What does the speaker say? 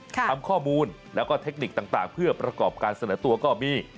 ทำข้อมูลแล้วก็เทคนิคต่างเพื่อประกอบการเสนอตัวก็มี